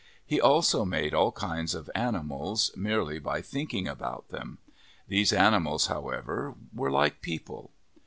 He also made all kinds of animals, merely by thinking about them. These animals, however, were like people.